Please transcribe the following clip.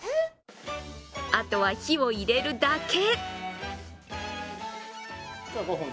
あとは火を入れるだけ。